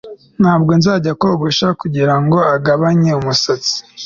ntabwo nzajya kogosha kugirango agabanye umusatsi